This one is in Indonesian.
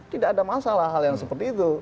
tidak ada masalah hal yang seperti itu